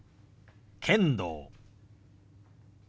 「剣道」。